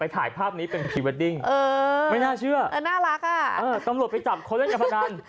ตำรวจไปจับคนเล่นการพนัน